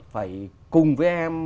phải cùng với em